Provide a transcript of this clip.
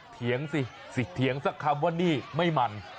เถียงสิเถียงสักคำว่านี่ไม่มัน